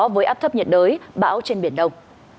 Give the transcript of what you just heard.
với áp thấp nhiệt đới bão trên biển đông